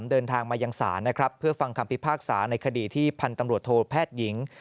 เดินทางมายังศาลนะครับเพื่อฟังคำพิพากษาในคดีที่พันธุ์ตำรวจโทษแพทย์หญิง